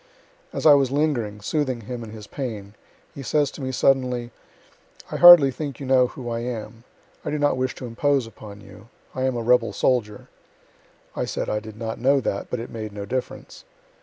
As I was lingering, soothing him in his pain, he says to me suddenly, "I hardly think you know who I am I don't wish to impose upon you I am a rebel soldier." I said I did not know that, but it made no difference.